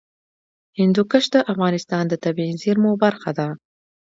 هندوکش د افغانستان د طبیعي زیرمو برخه ده.